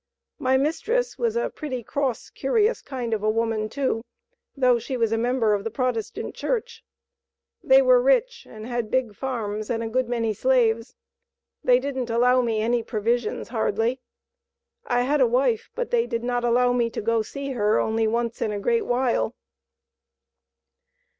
My mistress was a pretty cross, curious kind of a woman too, though she was a member of the Protestant Church. They were rich, and had big farms and a good many slaves. They didn't allow me any provisions hardly; I had a wife, but they did not allow me to go see her, only once in a great while."